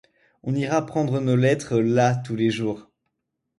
On ira prendre nos lettres là tous les jours.